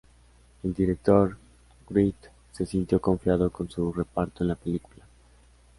El director Wright se sintió confiado con su reparto en la película.